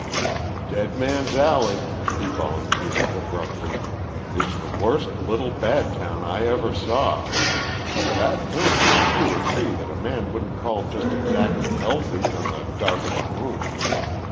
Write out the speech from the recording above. "Dead Man's Alley," he volunteered abruptly, "is the worst little bad town I ever saw. And I've camped in two or three that a man wouldn't call just exactly healthy on the dark of the moon.